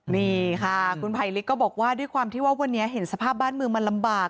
นี่ค่ะคุณภัยลิกก็บอกว่าด้วยความที่ว่าวันนี้เห็นสภาพบ้านเมืองมันลำบาก